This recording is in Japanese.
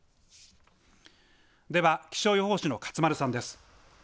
では気象予報士の勝丸さんです。